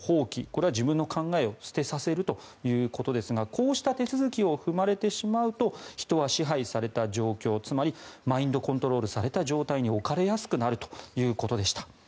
これは自分の考えを捨てさせるということですがこうした手続きを踏まれてしまうと人は支配された状況、つまりマインドコントロールされた状態に置かれやすくなるということでした。